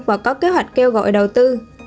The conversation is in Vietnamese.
và có kế hoạch kêu gọi đầu tư